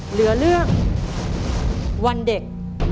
เหลือเรื่องวันเด็ก